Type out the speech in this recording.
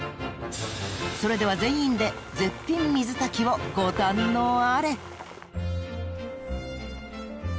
［それでは全員で絶品水炊きをご堪能あれ］